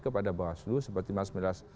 kepada basulu seperti mas milas